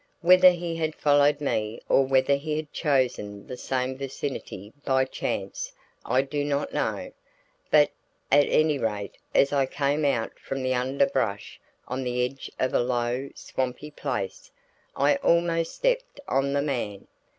Whether he had followed me or whether we had chosen the same vicinity by chance, I do not know; but at any rate as I came out from the underbrush on the edge of a low, swampy place, I almost stepped on the man.